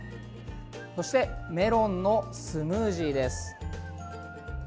そして、メロンのスムージーです。